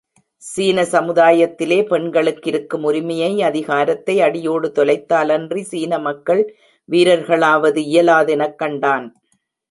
சீன சமுதாயத்திலே பெண்களுக்கிருக்கும் உரிமையை, அதிகாரத்தை அடியோடு தொலைத்தாலன்றி சீன மக்கள் வீரர்களாவது இயலாதெனக் கண்டான்.